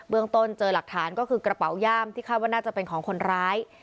เมืองต้นเจอหลักฐานก็คือกระเป๋าย่ามที่คาดว่าน่าจะเป็นของคนร้าย